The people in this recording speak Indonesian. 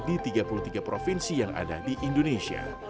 di tiga puluh tiga provinsi yang ada di indonesia